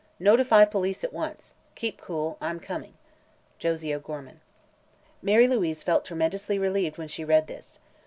"Notify police at once. Keep cool. I'm coming. Josie O'Gorman." Mary Louise felt tremendously relieved when she read this.